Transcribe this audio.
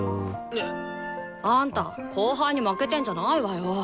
あんた後輩に負けてんじゃないわよ。